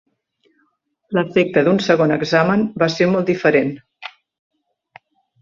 L'efecte d'un segon examen va ser molt diferent.